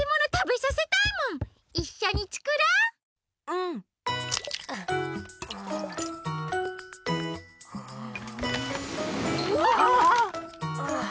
うわ！ああ。